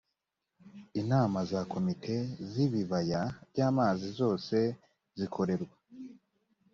inama za komite z ibibaya by amazi zose zikorerwa